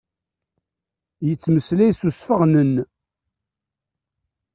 Yettmeslay s usfeɣnen.